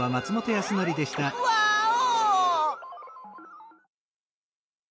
ワーオ！